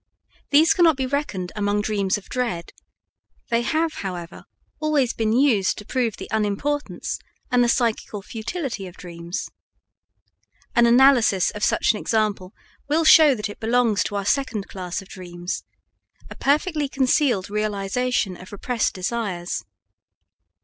These cannot be reckoned among dreams of dread; they have, however, always been used to prove the unimportance and the psychical futility of dreams. An analysis of such an example will show that it belongs to our second class of dreams a perfectly concealed realization of repressed desires.